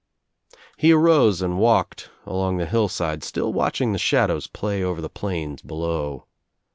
He arose and walked along the hillside, still watch ing the shadows play over the plains below.